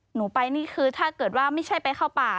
หนูไปนี่คือถ้าเกิดว่าไม่ใช่ไปเข้าป่า